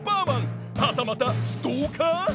はたまたストーカー？